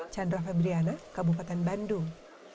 chandra febriana kabupaten bandung